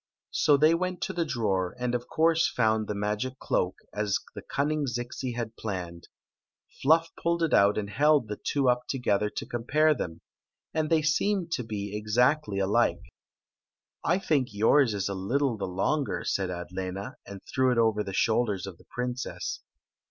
So they went to the drawer, and of course found the magic cloak, as the cunning Zixi had planned. Fluff pulled it out and held the two up together to compare them ; and they seemed to be exactly alike. " I think yours is a little the longer," said Adlena, and threw it over the shoulders of the princess.